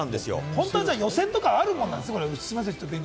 本当は予選とかあるものなんですね。